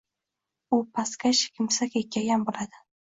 U pastkash kimsa kekkaygan boʻladi.